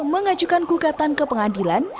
mengajukan gugatan ke pengadilan